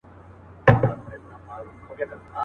دوو یارانو ته په سرو سترګو ګویا سو.